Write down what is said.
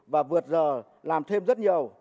và vượt giờ làm thêm rất nhiều